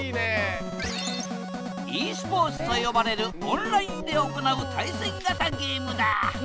ｅスポーツと呼ばれるオンラインで行う対戦型ゲームだ。